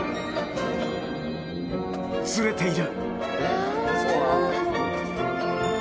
ずれている。